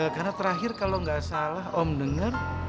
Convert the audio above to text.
karena terakhir kalau gak salah om dengar